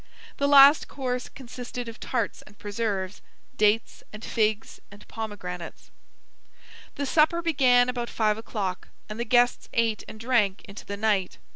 The last course consisted of tarts and preserves, dates and figs and pomegranates. The supper began about five o'clock, and the guests ate and drank into the night.